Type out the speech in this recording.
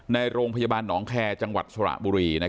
ในโรงพยาบาลหนองแคร์จังหวัดสระบุรี